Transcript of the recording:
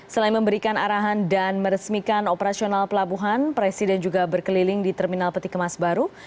selain memberikan arahan dan meresmikan operasional pelabuhan presiden juga berkeliling di terminal peti kemas baru